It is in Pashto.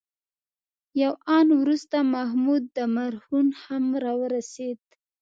یو آن وروسته محمود مرهون هم راورسېد.